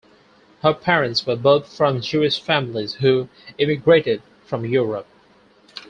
Her parents were both from Jewish families who emigrated from Europe.